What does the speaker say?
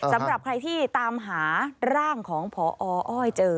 สำหรับใครที่ตามหาร่างของพออ้อยเจอ